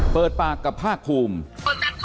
เปิดปากกับภาคภูมิ